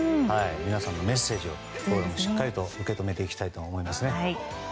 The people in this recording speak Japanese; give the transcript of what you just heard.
皆さんのメッセージをしっかりと受け止めていきたいと思いますね。